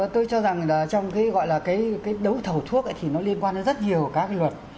tôi cho rằng là trong cái gọi là cái đấu thầu thuốc thì nó liên quan đến rất nhiều các cái luật